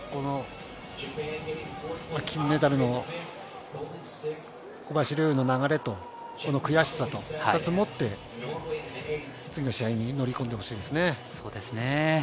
金メダルの小林陵侑の流れと悔しさと２つ持って、次の試合に乗り込んでほしいですね。